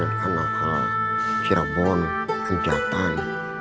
pesantren hanahal cirebon kencatan